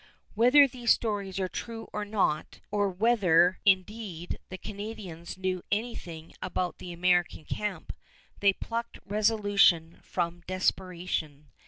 Whether these stories are true or not, or whether, indeed, the Canadians knew anything about the American camp, they plucked resolution from desperation.